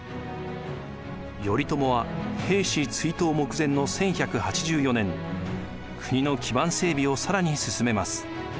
頼朝は平氏追討目前の１１８４年国の基盤整備を更に進めます。